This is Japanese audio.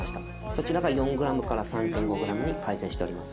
そちらが４グラムから３．５グラムに改善しております。